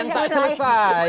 yang tak selesai